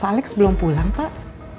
pak alex belum pulang pak